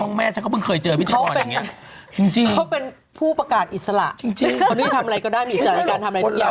งงยังมีไม่รักษา